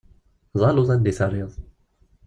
D aluḍ anda i terriḍ.